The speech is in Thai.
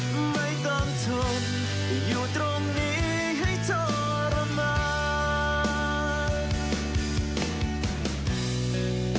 ไม่ต้องทนอยู่ตรงนี้ให้ทรมาน